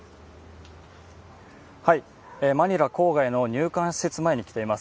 マニラ郊外の入管施設前に来ています。